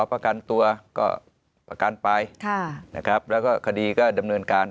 ประกันตัวก็ประกันไปค่ะนะครับแล้วก็คดีก็ดำเนินการ